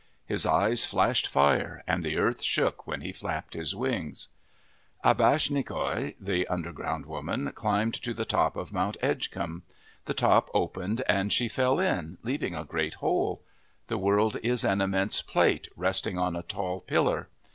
His eyes flashed fire and the earth shook when he flapped his wings. Abhishanakhou, the Underground Woman, climbed to the top of Mount Edgecomb. The top opened and she fell in, leaving a great hole. The world is an immense plate, resting on a tall pillar.